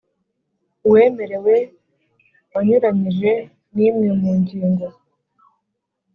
Uwemerewe wanyuranyije n imwe mu ngingo